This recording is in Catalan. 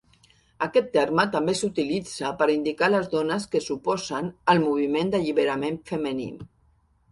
Aquest terme també s'utilitza per indicar les dones que s'oposen al moviment d'alliberament femení.